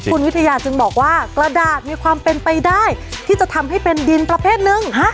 คุณวิทยาจึงบอกว่ากระดาษมีความเป็นไปได้ที่จะทำให้เป็นดินประเภทหนึ่ง